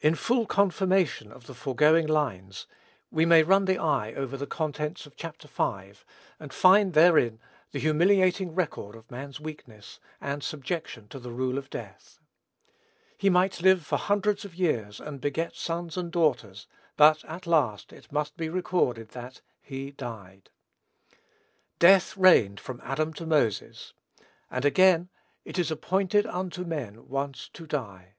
In full confirmation of the foregoing lines, we may run the eye over the contents of Chapter V. and find therein the humiliating record of man's weakness, and subjection to the rule of death. He might live for hundreds of years, and "beget sons and daughters;" but, at last, it must be recorded that "he died." "Death reigned from Adam to Moses." And, again, "It is appointed unto men once to die."